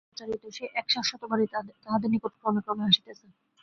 চিরপ্রচারিত সেই এক শাশ্বত বাণী তাহাদের নিকট ক্রমে ক্রমে আসিতেছে।